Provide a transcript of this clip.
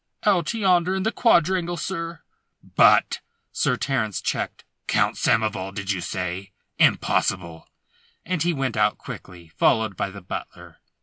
"Out yonder, in the quadrangle, sir." "But " Sir Terence checked. "Count Samoval, did ye say? Impossible!" and he went out quickly, followed by the butler.